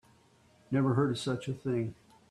Never heard of such a thing.